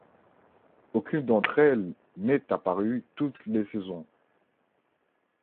Aucune d'entre elles n'est apparue toutes les saisons.